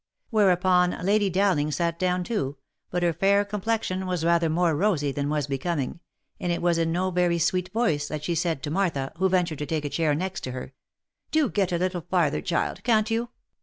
Whereupon, Lady Dowling sat down too, but her fair complexion was rather more rosy than was becoming, and it was in no very sweet voice that she said to Martha, who ventured to take a chair next her, " Do get a little farther, child, can't you?